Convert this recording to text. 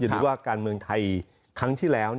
ได้ว่าการเมืองไทยครั้งที่แล้ว